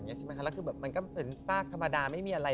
มันเหมือนศาสตร์ธรรมดาไม่มีอะไร